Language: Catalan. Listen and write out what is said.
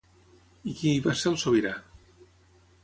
I qui hi va ser el sobirà?